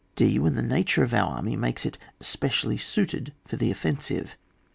{d) When the nature of our army makes it specially suited for the offensive.